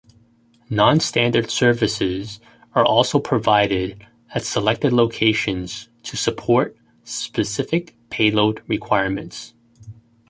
Nonstandard services are also provided at selected locations to support specific payload requirements.